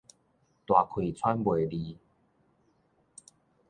大氣喘袂離